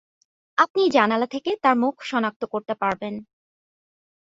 আপনি জানালা থেকে তার মুখ সনাক্ত করতে পারবেন।